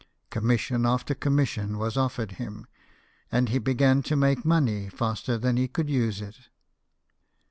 Commission after commission was offered him, and he began to make money faster than he could use it.